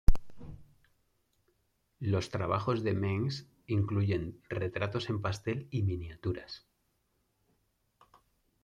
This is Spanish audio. Los trabajos de Mengs incluyen retratos en pastel y miniaturas.